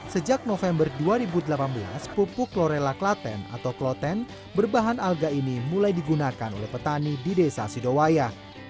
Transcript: sejak november dua ribu delapan belas pupuk lorella klaten atau kloten berbahan alga ini mulai digunakan oleh petani di desa sidowaya